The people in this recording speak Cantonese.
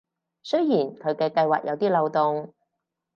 雖然佢嘅計畫有啲漏洞